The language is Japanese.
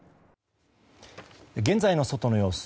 現在の外の様子